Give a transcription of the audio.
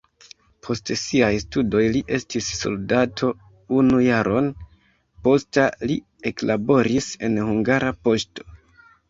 Post siaj studoj li estis soldato unu jaron, posta li eklaboris en Hungara Poŝto.